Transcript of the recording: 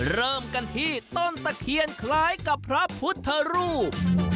เริ่มกันที่ต้นตะเคียนคล้ายกับพระพุทธรูป